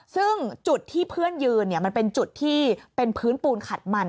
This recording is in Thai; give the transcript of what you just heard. ซึ่งจุดที่เพื่อนยืนมันเป็นจุดที่เป็นพื้นปูนขัดมัน